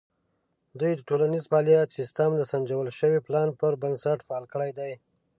دوی د ټولنیز فعالیت سیستم د سنجول شوي پلان پر بنسټ فعال کړی دی.